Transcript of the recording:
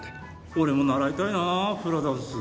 俺も習いたいなフラダンス。